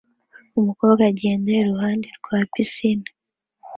Umukobwa agenda iruhande rwa pisine